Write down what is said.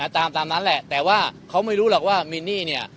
ตามนั้นแหละแต่ว่าเขาไม่รู้หรอกว่ามินนี่เนี่ย